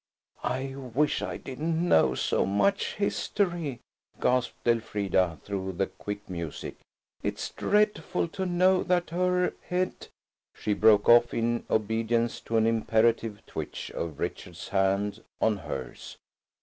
"I wish I didn't know so much history," gasped Elfrida through the quick music. "It's dreadful to know that her head–" She broke off in obedience to an imperative twitch of Richard's hand on hers.